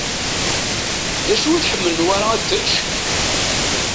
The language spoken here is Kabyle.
D acu i tḥemmel Newwara ad t-tečč?